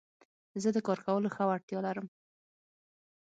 زه د کار کولو ښه وړتيا لرم.